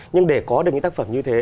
nhưng để có được những tác phẩm như thế